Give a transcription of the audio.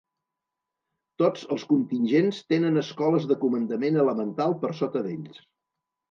Tots els contingents tenen escoles de comandament elemental per sota d'ells.